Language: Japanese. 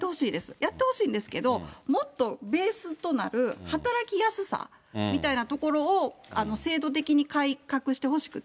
やってほしいんですけど、もっとベースとなる働きやすさみたいなところを制度的に改革してほしくて。